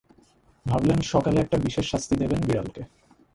ভাবলেন সকালে একটা বিশেষ শাস্তি দেবেন বিড়ালকে।